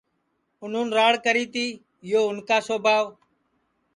اُنون راڑ کری تو یو اُن کا سوبھاو